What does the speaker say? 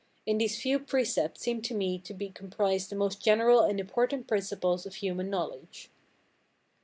In these few precepts seem to me to be comprised the most general and important principles of human knowledge.